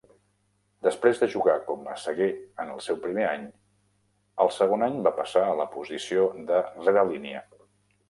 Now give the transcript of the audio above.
Després de jugar com a saguer en el seu primer any, al segon any va passar a la posició de rerelínia.